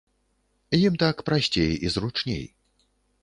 Ім так прасцей і зручней.